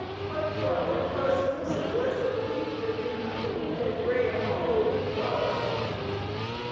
White flour thus uses less of the wheat for human food than Graham or whole wheat flour.